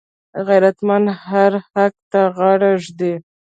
غیرتمند هر حق ته غاړه ږدي